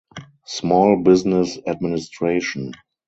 Small Business Administration.